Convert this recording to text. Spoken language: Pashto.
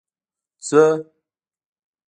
څه